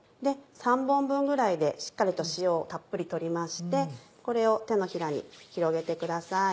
３本分ぐらいでしっかりと塩をたっぷり取りましてこれを手のひらに広げてください。